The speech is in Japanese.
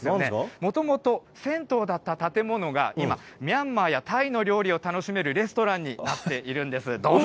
もともと、銭湯だった建物が今、ミャンマーやタイの料理を楽しめるレストランになっているんです。